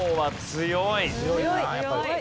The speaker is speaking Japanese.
強い。